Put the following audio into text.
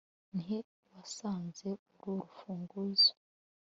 Ni he wasanze uru rufunguzo